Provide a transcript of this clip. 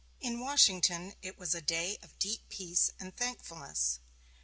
In Washington it was a day of deep peace and thankfulness.